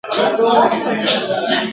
وینا نه وه بلکه غپا یې کوله ..